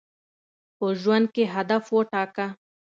په ژوند کي هدف وټاکه.